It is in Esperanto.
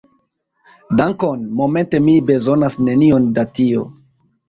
Dankon, momente mi bezonas nenion da tio.